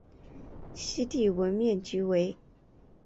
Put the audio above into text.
西帝汶面积为。